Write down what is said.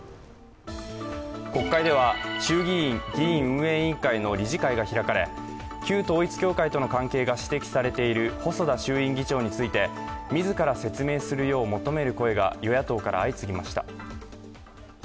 国会では衆議院議院運営委員会の理事会が開かれ、旧統一教会との関係が指摘されている細田衆議院議長についてみずから説明するよう求める声が与野党から相次ぎました。